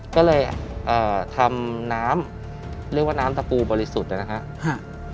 ก็เลยเอ่อทำน้ำเรียกว่าน้ำตะปูบริสุทธิ์นะครับ